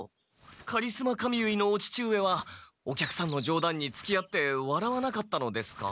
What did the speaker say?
カリスマ髪結いのお父上はお客さんのじょうだんにつきあって笑わなかったのですか？